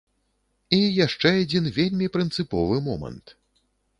І яшчэ адзін вельмі прынцыповы момант.